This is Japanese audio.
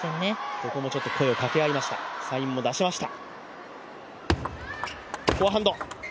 ここも声を掛け合いましたサインも出しました。